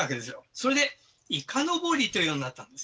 それでいかのぼりと言うようになったんです。